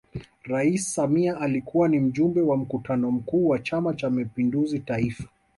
Rais Samia alikuwa ni Mjumbe wa Mkutano Mkuu wa Chama Cha Mapinduzi Taifa